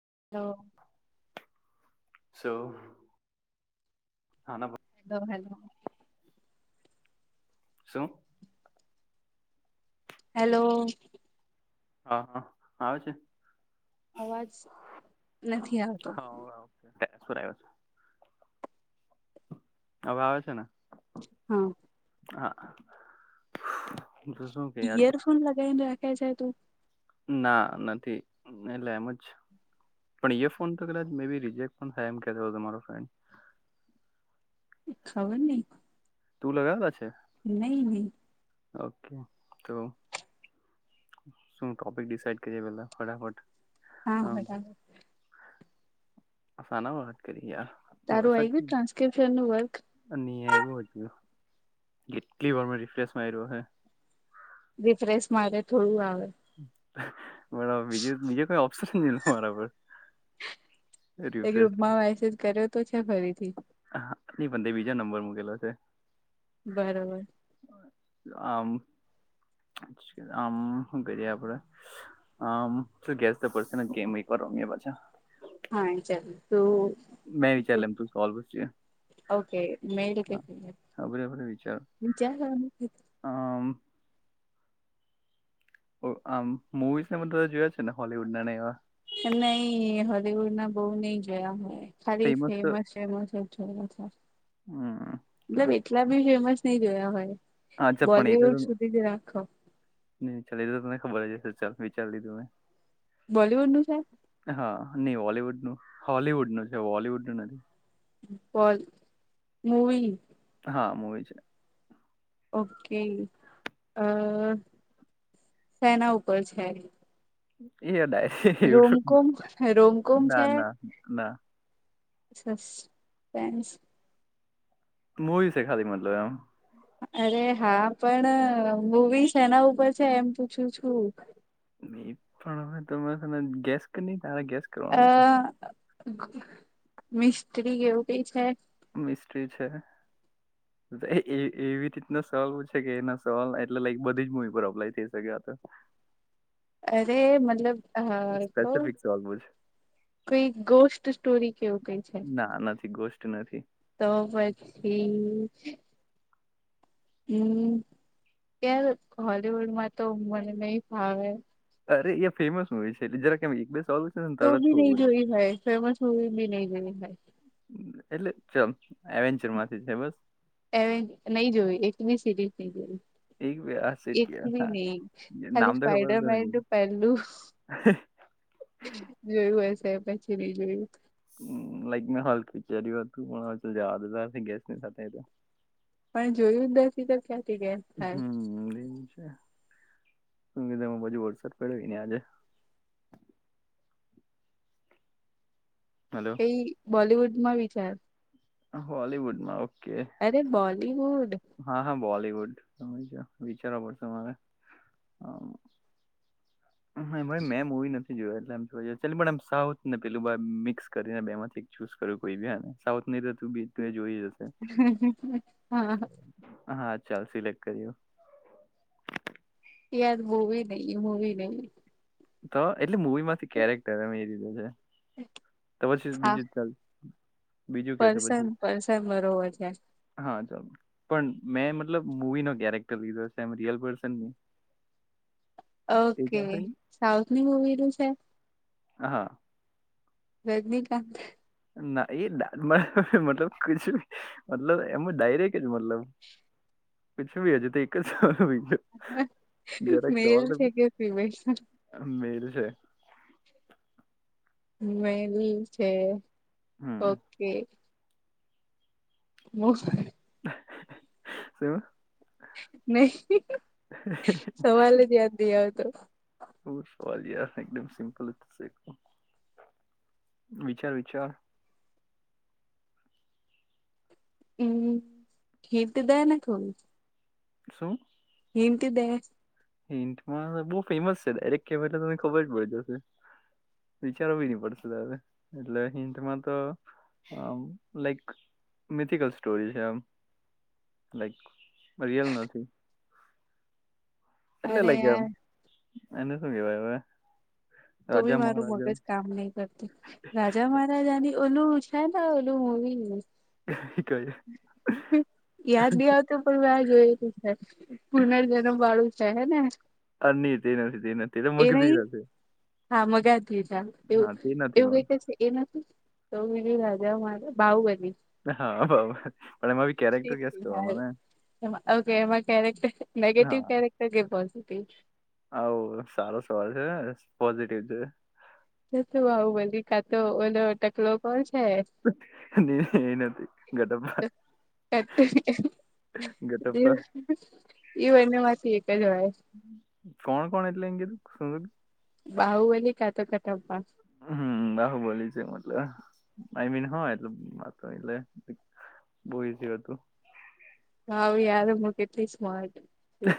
[unintelligible] સૌ [unintelligible] હલો. શું. હેલો. હા હા આવે છે. અવાજ નથી આવતો. શું [unintelligible] હવે આવે છે ને? હા. [inaudible] શું કે આજે ઈયરફોન લગાઇ ને રાખેં છે તું? ના નથી એટલે એમ જ. પણ એ ફોન તો કદાચ મે બી રીજેક્ટ પણ થાય એમ કેતો તમારો ફ્રેન્ડ. ખબર નઈ. તું લગાવે છે? નહી નહી. ઓકે તો શું ટોપિક ડિસાઇડ કર્યા પેલા ફટાફટ? હા ફટાફટ. શાના માં વાત કરીઆ? તારું આ ગયું ટ્રાન્સક્રિપ્શન નું વર્ક? નહી આવ્યો હજુ કેટલી વાર મે રિફ્રેશ માર્યો હે. રિફ્રેશ માટે થોડું આવે. બરાબર બીજું બીજું કોઈ ઓપ્શન નઈ મારા પર. એ રિફ્રેશ ગ્રુપમાં મેસેજ કર્યો તો છે ફરી હ ની પણંદે બીજો નંબર મૂકેલો છે બરોબર આમ આમ કરીએ આપડે આમ શ ગેસ તો પડશેને ગેમ [unintelligible] મેં પાછા હા વિ ચાર મેં વિચાર લે એમ તો સોલ્વ છે ઓકે મેલ કે આ બરાબર વિચાર વિચાર આમ. આમ મુવીઝને પણ તે જોયા છે ને હોલવુડ ના એવા? નહી હોલીવુડ ના બહુ નહી જોયા મે. ખાલી ફેમસ ફેમસ હમ મતલબ એટલા બી ફેમસ નહી જોયા હોય. હા ચપ્પણી એ તો બોલીવુડ તને સુધી જ રાખો [unintelligible] તો તને ખબર જ હશે. ચલ વિચાર લીધું મે. બોલીવુડ નું છે? નહી હોલીવુડ નું હોલીવુડ નું છે બોલિવૂડનું નથી. બોલ મૂવી? હા મૂવી છે. ઓકે અ સેના ઉપર છે. એ [unintelligible] રોમકોમ રોમકોમ ના છે ના ના. સસ્પેન્સ. મૂવી છેે ખાલી મતલબ એમ અરે હા પણ મૂવી સેના ઉપર છે એમ પૂછું છું એ પણ હવે તમે તને ગેસ કે નહી તારે ગેસ અ કરવાનો તો મિસ્ટ્રી એવું કઈ છે મિસ્ટ્રી છે તે એ એવી રીતના સવાલ પૂછે કે એના સવાલ એટલે લાઈક બધી જ મુવી પર અપ્લાય થઈ શકયા હતા તા અરે મતલબ હ કો સ્પેસિફિક સવાલ પૂછે કોઈ ગોસ્ટ સ્ટોરી કે એવું કઈ છે ના નથી ગોસ્ટ નથી. તો પછી [inaudible] હમ ત્યાાર હોલીવુડમાં તો મને નહી ફાવે અરે એ ફેમસ મુવી છે એટલે જરા કે બે સવાલ પૂછે ને તો તરત બી ખબર નહી પડી જોય હોય ફેમસ મુવી બી નહી જોઈ હોય એટલે ચ એન્ચર માંથી છે બસ એવે નહી જોયું એક ભી સિરીઝ નહી જોઈ એક બે આ એક બી હા નહીં ખાલી નામ તો ખબર સ્પાઈડર હતું મેન પહેલું ને જોયું હશે પછી નહી જોયું હમમ લાઈક મેં હાલ વિચાર્યું હતું વે ગેસની સાથે તો પણ જોયું જ નથી તો ખ્યા હમમ એ છે [unintelligible] બાજુ વરસાદ પડ્યો ત્યાં છે હલો એ બોલિવુડમાં વિચાર હોલીવુડમાં ઓ અરે બોલીવુડ હા હા બોલીવુડ હમમ વિચારવા પડશે મારે હમમ મેમ હુઈ નથી જોયું નથી એટલે એમ સાઉથને પેલું બા મિક્સ કરીને બે થી ચૂઝ કર કો બેન સાઉથ એ તો તું બી જોઈ જ હશે હમમ હમમ હા હા ચાલ સિલેક્ટ કર્યું યાર મૂવી નહી મૂવી નહી તો એટલે મૂવી માંથી કેરેક્ટર અમે એ દીધૂ છે તો પછી હા બીજું જ ચાલશે બીજું કે તો પર્સન પછી પર્સન બરોબર છે હા ચાલ પણ મેમ મતલબ મુવી નો કેરેક્ટર લીધો છે એમ રિયલ પર્સન એ ઓકે ચાલશે સાઉથની મૂવીનું છે હા રજનીકાંત ના એ ડા મતલબ કુછ ભી મતલબ એમજ ડાયરેક જ મતલબ પિછું ભ હજે તો એક જ છ [unintelligible] [unintelligible] જરા એક મેલ સવાલ તો છે કે ફિમેલ મેલ છે મેલી છે હમ ઓકે બહ [unintelligible] શું નહી સવાલજ યાદ નઈ આવતો બ સવાલ યાર એકદમ સિમ્પલ જ છે વિચાર વિચાર હમ હિન્ટ દે ને થોડુ શું હીન્ટ દે હિન્ટ માં તુ બહું ફેમસ છે ડાયરેક કે મે તમને ખબર જ પડી જશે વિચારવી નહી પડશે હવે તારે એટલે હિન્ટમાં તો આ લાઈક મિથિકલ સ્ટોરી છે આમ લાઈક રિયલ નથી એટલે અરે લાઈક યાર આમ એને શું કહેવાય હવે તો રાજા બી મારું મહારાજા મગજ કામ નહી રાજા મહારાજાની ઓનું છે ન ઓલું મૂવી કી ક યાદની આવતુ પણ મે જોય તો છે પૂનર જનમ બાળું છે હે ને અ ન તે નથી તે નથી એટલે એ માગતી નહી નથી હા મગા થઈ જા એવું હા તે નથી એવું પણ કઇક છે એ નથી તો રાજા મારે બાહુબલી હા બરાબર પણ એમાં બી કેરેક્ટર ગેસ કરવાનો ને ઓકે એમાં કેરેક્ટર નેગેટિવ કેરેક્ટર કે પોઝિટિવ આવ સારો સવાલ છે ને પોઝિટિવ છે આવું બહૂબલી કાતો ઓ ટકલો કોણ છે એ નથી કટ્ટપા એકદમ એમ ગટપ્પા એવું એમના માંથી એક જ હોય શ્ બાહુબલી કા તો કટ્ટપા હમ બાહુબલી છે મતલબ આઈ મીન હા એટલ એટલે બહુ ઇઝી હતું મુકેશ મા તો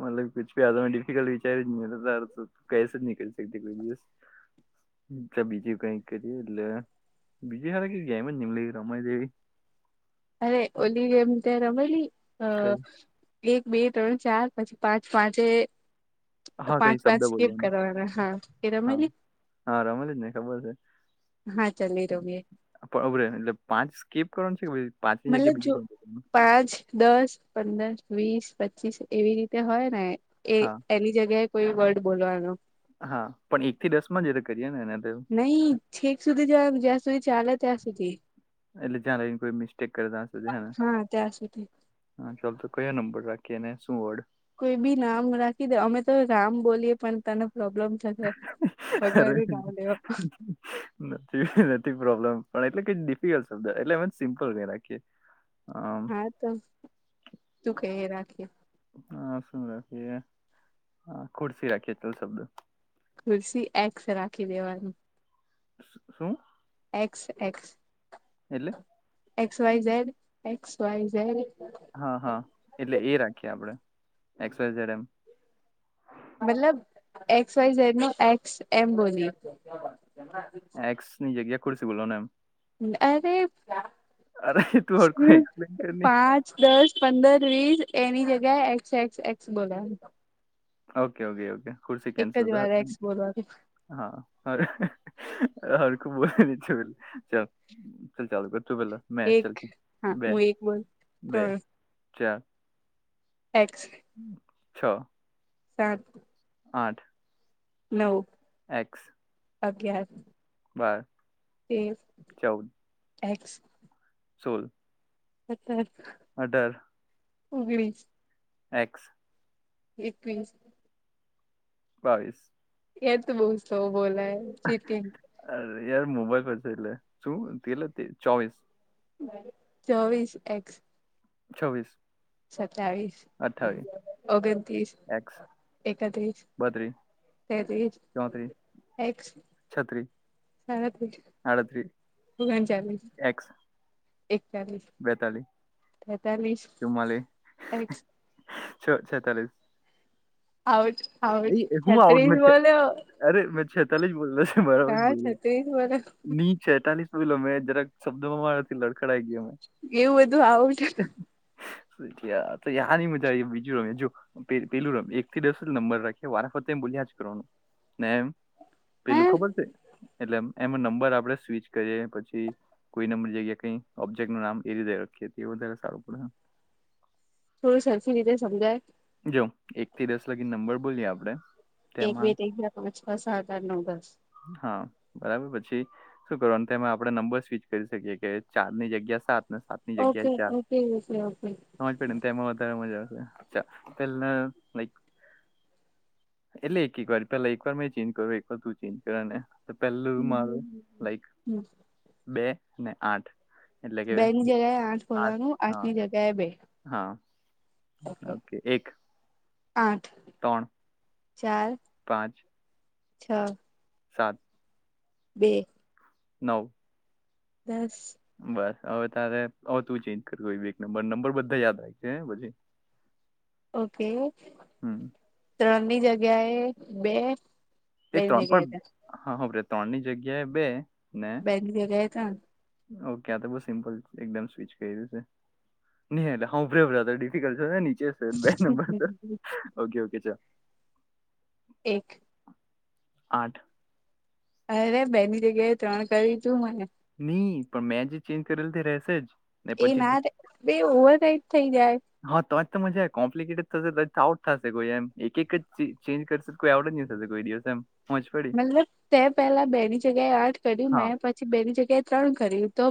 મતલબ પછી આ ડિફિકલ્ટ વિચારધારા તમે કેક [unintelligible] નીકળતી કોઈ દિવસ બીજું કઈક કરીએ એટલે બીજે ખરે કે ગેમ અજ નહી એમ રમાઈ જેવી અરે ઓલી ગેમ તે રમલી અ કઈ એક બે ત્રણ ચાર પછી પાંચ પાંચે હા પાંચ કઈ પાંચ શબ્દ સ્કીપ બોલવાનો કરવાના હા એ હા રમાલી હા રમલી જ ને ખબર છે હા ચાલ એ રમીએ એટલે પાંચ સ્કીપ કરવાનું છે કે પાંચની જગ્યા મતલબ જો બીજું કઈ કરવાનું પાંચ દસ દસ પંદર વીસ પચીસ એવી રીતે હોય ને એ હા એની જગ્યાએ કોઈ વર્ડ બોલવાનો હા પણ એક થી દસ માં જ કરી નહી છેક સુધી જ જ્યાં સુધી ચાલે ત્યાં સુધી એટલે ત્યાં લાગીને કોઈ મિસ્ટેક કરે ત્યાં સુધી હે ને હા ત્યાં સુધી હા ચાલ તો કયો નંબર રાખીઓને શું હોય કોઈ બી નામ રાખી દે અમે તો રામ બોલીએ પણ તમે અરે નામ લેવા નથી નથી પ્રોબ્લેમ પણ એટલે કઈ ડિફિકલ્ટ શબ્દ એટલે અમે સિમ્પલ કહી નાખીએ હા તો શું તુ કે એ રાખીએ હા શું રાખીએ ખુરશી રાખીએ ચલ શબ્દ ખુરશી એકસ રાખી દેવાની શું એક્સ એક્સ એટલે એક્સ વયઝેડ એક્સ વયઝેડ હા હા એટલે એ રાખીએ આપડે એક્સવય ઝેડ એમ મતલબ એક્સ વાયઝેડ નો એક્સ એમ બોલી એક્સની જ્યા ખુશ બોલો ને એમ અરે અરે તું હ હરખું એક્સપ્લેન કર ની પાંચ દસ પંદર ત્રીસ સ એની જગ્યાએ એક્સ એક્સ એક્સ બોલા ઓકે ઓકે ઓકે ખુરશી કેન્સલ વાર એક્સ બોલવાનું હા ખબ બ ચ ચાલ ચાલ ચાલુ કર તો ભલો મે ચ એક હા બે હું એક બોલ બે ચાલ એકસછે છ સાત આઠ નવ એકસ અગિયાર એ એક્સ સોલ અચ્છા ઓગણીસ એકસ એકવીસ બાવીસ એ તો બહુ સ્લો બોલે ચિટિંગ યાર મોબાઈલ છે એટલે શું કેટલે ચોવીસ ચોવીસ એક્સ છવ્વીસ. સતાવીશ, અઠ્ઠાવીસ ઓગનત્રીસ, એક્સ એકત્રીસ. બત્રીસ તેવીશ, ચોત્રીસ એક્સ. છત્રીસ સાડત્રીસ આડત્રીસ, ઓગણચાલીસ એક્સ. એકતાલીસ બેતાલી, તેતાલીસ ચુમાલી. એક્સ છ છેતાલીસ, આઉટ આઉટ એ શુંઉટ છત્રીસ મે બોલ્યો અરે મે રા જ બો હા છત્રીસ બોલ્યો ની ચતાલીસ. જોઈ મેં જરાક શબ્દમાં મારાથી લડખડાઈ ગયા મે. એવું બધું આવટ. તો યા ન મુજા બીજું રમ જો પેલું રમ એક થી ડ નંબર રાખી વારતે ્યાજ કરવાનું ને એમ હે પેલું ખબર છે એટલે એમાં નંબર આપણે સ્વીચ કરીએ પછી કોઈ નંબર જગ્યા કઈ ઓબ્જેક ું નામ એ રીતે રાખીએ વધારે સારું પડે થોડું સેલ્ફી લીધે સમજાય જો એક થી દસ લાગી નંબર બોલીએ આપડે એક બે તેમાં ત્રણ ચાર પાંચ છ સાત આઠ નવ દસ હા બરાબર પછી શું કરવા તેમે આપડે નંબર સ્વિચ કરી શકીએ કે ચાર ની જગ્યા સાત સાત ની ઓકે જગ્યાએ ચાર ઓકે ઓકે ઓકે સમજ પડીે ને તો એમાં વધારે મજા આવે લા ન એટલે એક એક વાર પેલા એક વાર મે ચેન્જ કરું એક વાર તું ચેન્જ કર ને તો પેલું હમ મારું હમ લાઈક હમ બે ને આઠ એટલે કે બે ની જગ્યાએ આઠ ખોલવાનું આઠની જગ્યાએ બે હા ઓકે એક આઠ ત્રણ ચાર પાંચ. અચ્છા. સાત. બે. નવ. દસ. બસ હવે તારે તું ચેન્જ કર એક નંબર નંબર બધા યાદ આવે છે પછી. ઓકે, હમ ત્રણની જગ્યાએ બે એ બેની ત્રણ જગ્યાએ પણ હા ત્રણ ની જગ્યાએ બે. ને બેગ થ ગયા ત. ઓકે આ તો બહ સિમ્પલ એકદમ સ્વિચ કર્યું છે. ન એટલે હ ડિફિક્ટ ને [unintelligible] નીચે બે ત્રણ ઓ ઓકે ચલ. એક. આઠ. અરે બેની જગ્યાએ ત્રણ કરી તું મને. નહી પણ મેં જે ચેન્જ કરેલ તે રશે જ. ને એ પછી ના જે- ર બે ઓવર રાઇટ થઈ જાય. હા તોજ તો મજા કોમ્પ્લિકેટે થશે આઉટ થશે કોઈ એમ એક એક ચેન્જ કરશે કોઈ આવડ જ નહીં થશે. કરી દ છે એમ. પહોંચ પડી મતલબ તે પહેલા બેની જગ્યાએ આઠ કર્યું હા મેં પછી બેની જગ્યાએ ત્રણ કર્યું. તો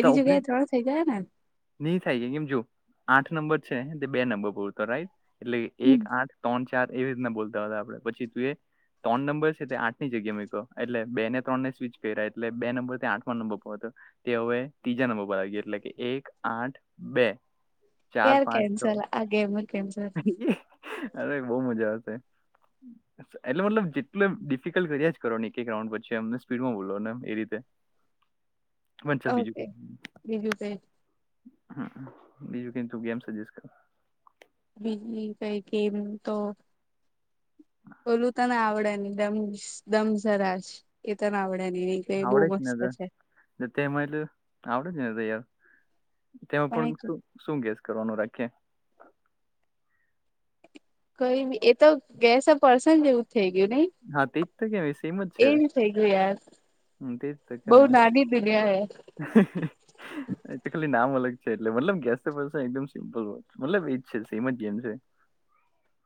તો ઉભરે જગ્યાએ ત્રણ થઇ ગયા ને. નહી થાય કેમ જો આઠ નંબર છે તે બે નંબર પરતો રાઈટ. એટલે હમ એક આઠ ત્રણ ચાર એવી રીતના બોલતા હતા આપડે પછી તું એ. ત્રણ નંબર છે તે આઠ ની જગ્યા મૂક્યો એટલે બે ને ત્રણ ને સ્વીિચ કર્યા એટલે બે નંબર તે આઠ નંબર પર તે હવે ત્રીજા નંબર પર આવી ગયો એટલે કે એક આઠ બે. ચાર યાર પાંચ છ કેન્સલ આ ગેમ કેન્સલ. અરે બહુ મજા આવશે એટલે મતલબ જેટલ ડિફિકલ્ટ્યા કરો ને એક એક રાઉન્ડ પછી સ્પીડમાં બોલો એ રીતે [inaudible] પણ ઓકે બીજું ક હ બીજું કે તું કેમ સજેસ્ટ કર બીજી કઈ ગેમ તો ઓલું તને આવડે ને દમ દમ સરાશ એ તને આવડે નહી નહી કઈ બહુ આવડે જ ને મસ્ત છે તો તે માિલ આવડે જ ને તો યાર તેમાં પણ શું ગેસ કરવાનું રાખીએ કઈ એતો ગેસ પડશે ને જેવું. થઈ ગયું નહ, હા તેજ તો કેમ એ સેમ જ એ છે ન થઈ ગયું યાર. હમ તેજ તો બઉ કેમ, નાની દુનિયા એ તો ખાલી નામ ઓલગ. એટલે મતલબ ગેસ સિમ્પલ હોય, એકદમ સિમ્પલ મતલબ એજ છે સેમ જ ગેમ છે.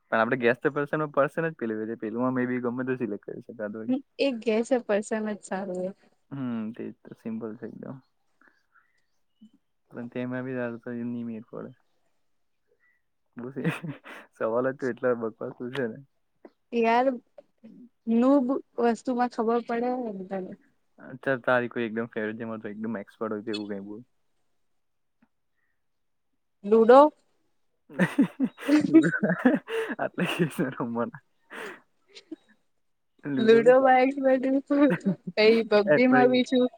પણ આપડે ગેસ તો પર્શેમાં પેલું પેલુંમા મે બી ગમે સિલેક્ટ કરીશ. હ એ ગેસ પર્સન જ સારું હોય. હમ તે જ તો સિમ્પલ છે એકદમ. પણ તેમાં બી આ લોકો નય મેલ પડે. બ સવાલ હતો એટલા બકવાસ પૂછ્યો ને. યાર નુબ વસ્તુમાં ખબર પડેને તને. તારી કોઈ એકદમ ફેવરેટ જે એકદમ એક્સપર્ટ હોય એવું કઈ બોલ. લુડો. [unintelligible] [inaudible] લુડો બાઇક બધું છું કઈ પબજી માં બી છું.